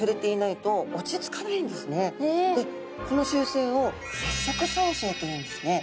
この習性を接触走性というんですね。